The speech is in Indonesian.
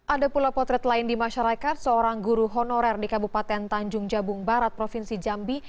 ada pula potret lain di masyarakat seorang guru honorer di kabupaten tanjung jabung barat provinsi jambi